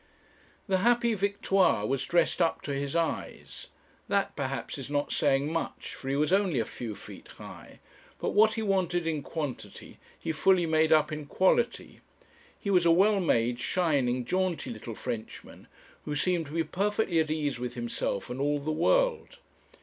The happy Victoire was dressed up to his eyes. That, perhaps, is not saying much, for he was only a few feet high; but what he wanted in quantity he fully made up in quality. He was a well made, shining, jaunty little Frenchman, who seemed to be perfectly at ease with himself and all the world.